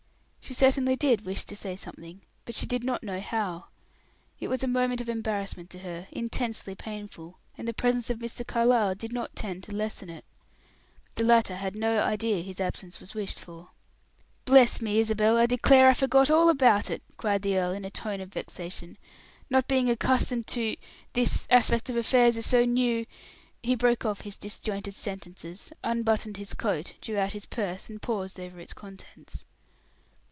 She certainly did wish to say something, but she did not know how. It was a moment of embarrassment to her, intensely painful, and the presence of Mr. Carlyle did not tend to lessen it. The latter had no idea his absence was wished for. "Bless me, Isabel! I declare I forgot all about it," cried the earl, in a tone of vexation. "Not being accustomed to this aspect of affairs is so new " He broke off his disjointed sentences, unbuttoned his coat, drew out his purse, and paused over its contents.